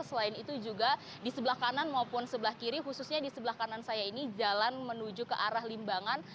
selain itu juga di sebelah kanan maupun sebelah kiri khususnya di sebelah kanan saya ini jalan menuju ke arah limbangan